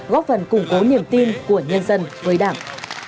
góp phần củng cố niềm tin của nhân dân với đảng